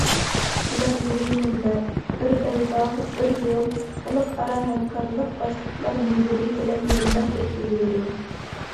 كېلەر يىلى مۇنبەر« بىر بەلباغ، بىر يول» خەلقئارا ھەمكارلىق باشلىقلار مۇنبىرى بىلەن يانداش ئۆتكۈزۈلىدۇ.